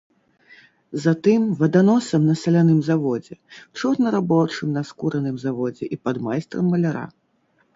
Затым ваданосам на саляным заводзе, чорнарабочым на скураным заводзе і падмайстрам маляра.